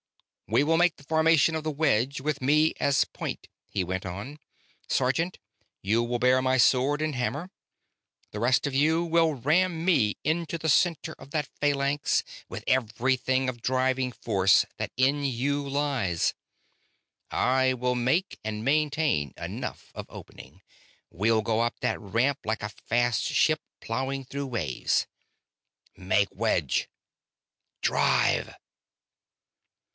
"We will make the formation of the wedge, with me as point," he went on. "Sergeant, you will bear my sword and hammer. The rest of you will ram me into the center of that phalanx with everything of driving force that in you lies. I will make and maintain enough of opening. We'll go up that ramp like a fast ship plowing through waves. Make wedge! Drive!"